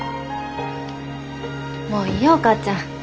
もういいよお母ちゃん。